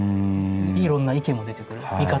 いろんな意見も出てくる見方も出てくる。